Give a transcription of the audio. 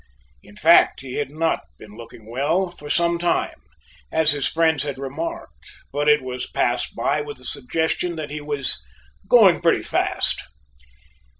In fact he had not been looking well for some time, as his friends had remarked, but it was passed by with the suggestion that he was "going pretty fast."